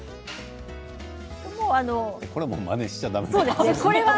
これは、もうまねしちゃだめだね。